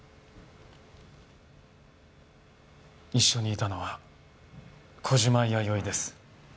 一緒にいたのは小島弥生です。